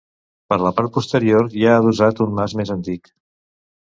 Per la part posterior hi ha adossat un mas més antic.